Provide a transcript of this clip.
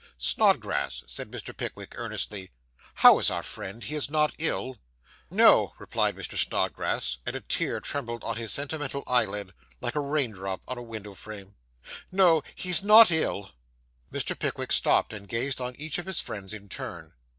'Snodgrass,' said Mr. Pickwick earnestly, 'how is our friend he is not ill?' 'No,' replied Mr. Snodgrass; and a tear trembled on his sentimental eyelid, like a rain drop on a window frame 'no; he is not ill.' Mr. Pickwick stopped, and gazed on each of his friends in turn.